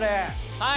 はい！